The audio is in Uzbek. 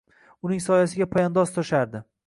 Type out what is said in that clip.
Uning soyasiga poyandoz to‘shardi.